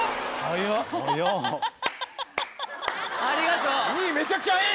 ありがとう。